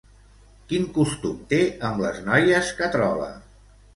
Quin costum té amb les noies que troba?